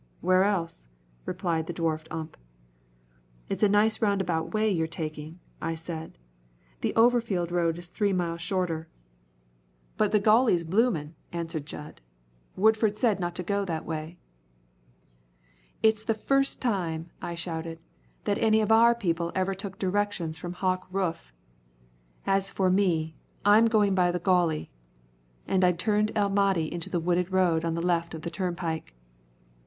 Where else?" replied the dwarfed Ump. "It's a nice roundabout way you're taking," I said. "The Overfield road is three miles shorter." "But the Gauley's boomin'," answered Jud; "Woodford said not to go that way." "It's the first time," I shouted, "that any of our people ever took directions from Hawk Rufe. As for me, I'm going by the Gauley." And I turned El Mahdi into the wooded road on the left of the turnpike.